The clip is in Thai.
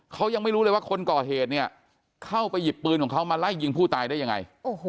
เขายังไม่รู้เลยว่าคนก่อเหตุเนี่ยเข้าไปหยิบปืนของเขามาไล่ยิงผู้ตายได้ยังไง